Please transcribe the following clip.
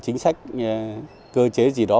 chính sách cơ chế gì đó